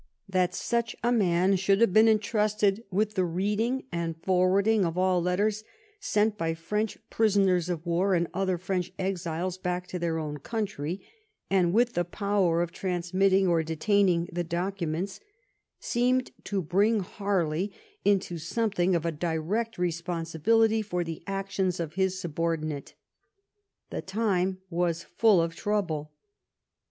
That such a man should 809 L_. THE REIGN OP QUEEN ANNE have been intrusted with the reading and forwarding of all letters sent by French prisoners of war and other French exiles back to their own country, and with the power of transmitting or detaining the documents, seemed to bring Harley into something like a direct responsibility for the actions of his subordinate. The time was full of trouble.